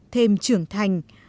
thêm trưởng thành